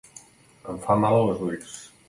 Em fa mal als ulls.